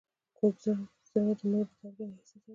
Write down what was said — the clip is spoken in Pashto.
کوږ زړه د نورو درد نه احساسوي